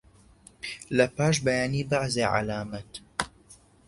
لەپاش بەیانی بەعزێ عەلامەت